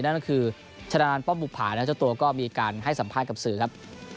นั่นก็คือชนะป้อมบุภานะเจ้าตัวก็มีการให้สัมภาษณ์กับสื่อครับ